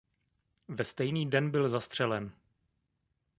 Ve stejný den byl zastřelen.